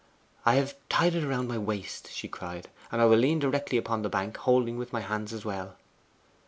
'I have tied it round my waist,' she cried, 'and I will lean directly upon the bank, holding with my hands as well.